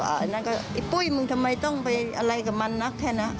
ไอ้ปุ้ยมึงทำไมต้องไปอะไรกับมันนักแถ่นะ